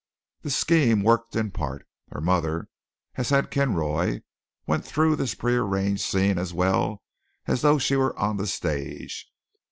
The scheme worked in part. Her mother, as had Kinroy, went through this prearranged scene as well as though she were on the stage.